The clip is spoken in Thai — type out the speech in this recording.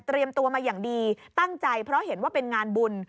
ตัวมาอย่างดีตั้งใจเพราะเห็นว่าเป็นงานบุญ